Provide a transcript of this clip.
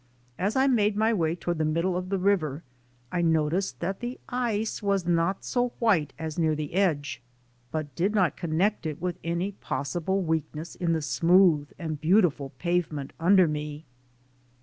As I made my way toward the middle of the river I noticed that the ice was not so white as near the edge, but did not connect it with any possible weakness in the smooth and beautiful pavement under me.